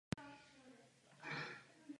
Je synem slovinské matky a srbského otce.